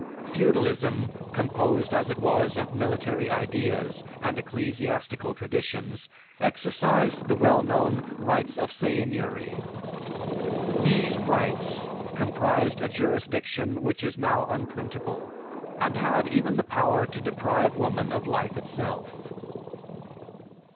Feudalism, composed as it was of military ideas and ecclesiastical traditions, exercised the well known "rights of seigniory." These "rights" comprised a jurisdiction which is now unprintable, and had even the power to deprive woman of life itself.